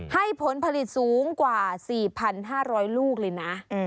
ให้ผลผลิตสูงกว่า๔๕๐๐ลูกเลยนะ